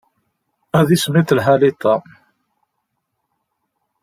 Ad yismiḍ lḥal iḍ-a.